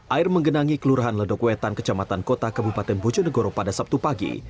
air menggenangi kelurahan ledok wetan kecamatan kota kabupaten bojonegoro pada sabtu pagi